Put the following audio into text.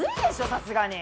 さすがに。